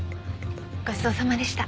ごちそうさまでした。